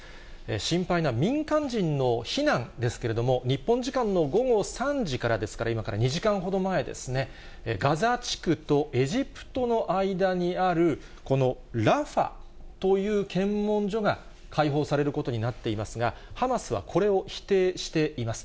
心配な民間人の避難ですけれども、日本時間の午後３時からですから、今から２時間ほど前ですね、ガザ地区とエジプトの間にある、このラファという検問所が、開放されることになっていますが、ハマスはこれを否定しています。